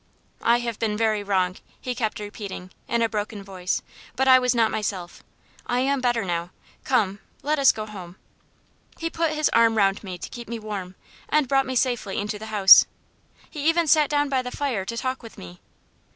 "I have been very wrong," he kept repeating, in a broken voice; "but I was not myself. I am better now. Come let us go home." He put his arm round me to keep me warm, and brought me safely into the house. He even sat down by the fire to talk with me.